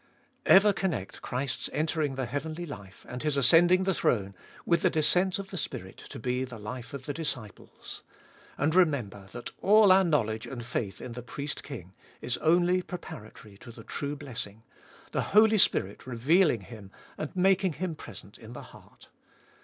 3. Ever connect Christ's entering the heavenly life and His ascending the throne with the descent of the Spirit to be the life of the disciples. And remember that all our knowledge and faith in the Priest King is only preparatory to the true blessing— the Holy Spirit revealing Him and making Him present in the heart.